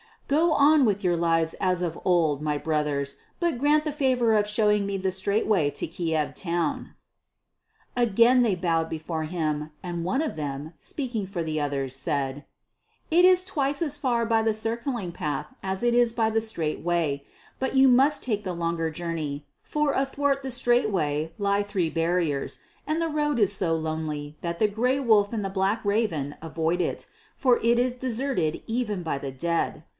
Go on with your lives as of old, my brothers, but grant the favour of showing me the straight way to Kiev town." Again they bowed before him, and one of them, speaking for the others, said, "It is twice as far by the circling path as it is by the straight way, but you must take the longer journey, for athwart the straight way lie three barriers; and the road is so lonely that the grey wolf and the black raven avoid it, for it is deserted even by the dead.